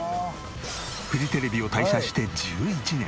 フジテレビを退社して１１年。